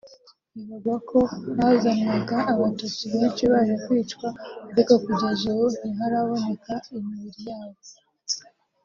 Bivugwa ko hazanwaga abatutsi benshi baje kwicwa ariko kugeza ubu ntiharaboneka imibiri yabo